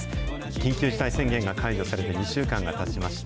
緊急事態宣言が解除されて２週間がたちました。